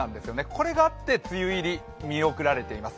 これがあって梅雨入り、見送られています。